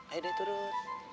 ayo deh turun